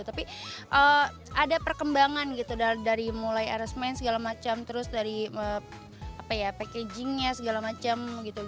tapi ada perkembangan dari mulai arismen segala macam terus dari packagingnya segala macam